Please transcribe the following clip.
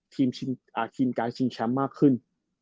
ทีมการชิงแชมป์มากขึ้น